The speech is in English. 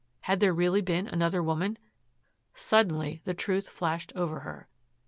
Had there really been another woman? Suddenly the truth flashed over her.